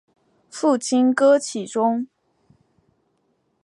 父亲戈启宗。